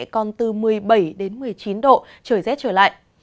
còn từ một mươi bảy đến một mươi chín độ trời rét trở lại